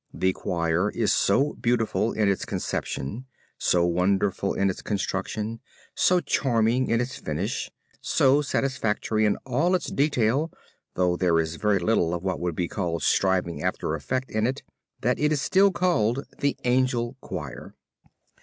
The choir is so beautiful in its conception, so wonderful in its construction, so charming in its finish, so satisfactory in all its detail, though there is very little of what would be called striving after effect in it, that it is still called the Angel Choir.